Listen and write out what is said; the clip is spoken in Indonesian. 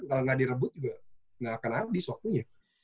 kalau gak direbut gak akan abis waktunya